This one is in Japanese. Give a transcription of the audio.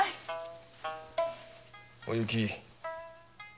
お雪。